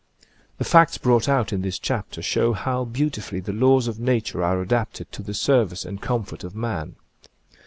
The facts brought out in this chapter show how beautifully the laws of nature are adapted to the service and comfort of man.